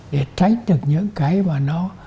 để tránh được những cái mà nó